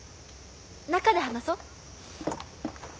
中で話そう。